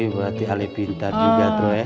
berarti ali pintar juga